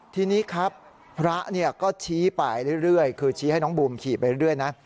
ทีนี้ครับพระก็ชี้ไปเรื่อยคือชี้ให้น้องบูมขี่ไปเรื่อยนะ